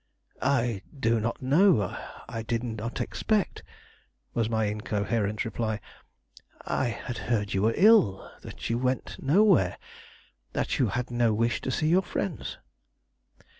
"I do not know I did not expect " was my incoherent reply. "I had heard you were ill; that you went nowhere; that you had no wish to see your friends."